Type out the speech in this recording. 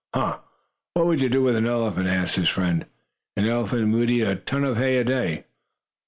"Huh! What would you do with an elephant?" asked his friend. "An elephant would eat a ton of hay a day."